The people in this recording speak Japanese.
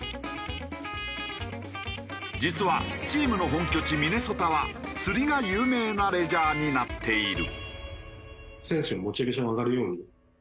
実はチームの本拠地ミネソタは釣りが有名なレジャーになっている。